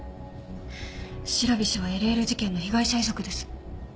白菱はＬＬ事件の被害者遺族です。